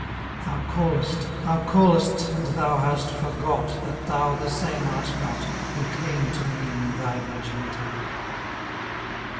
Thou callest, thou callest and thou hast forgot That thou the same art not Who came to me In thy Virginity.